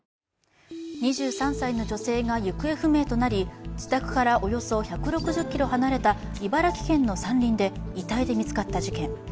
２３歳の女性が行方不明となり、自宅からおよそ１６０ｋｍ離れた茨城県の山林で遺体で見つかった事件。